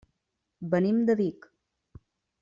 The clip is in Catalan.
Venim de Vic.